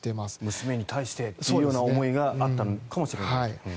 娘に対してという思いがあったのかもしれない。